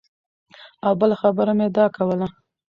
او بله خبره مې دا کوله